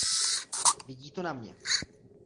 Vidí to na mně.